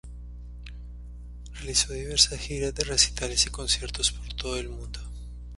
Realizó diversas giras de recitales y conciertos por todo el mundo.